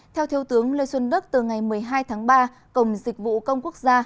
theo thiếu tướng lê xuân đức từ ngày một mươi hai tháng ba cổng dịch vụ công quốc gia